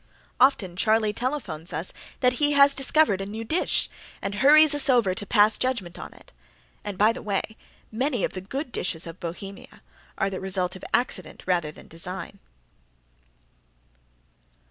Often Charlie telephones us that he has discovered a new dish and hurries us over to pass judgment on it. And, by the way, many of the good dishes of Bohemia are the result of accident rather than design.